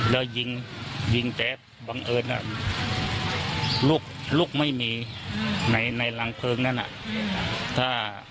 แล้วยิงยิงแต่บังเอิญลูกไม่มีในรังเพลิงนั้น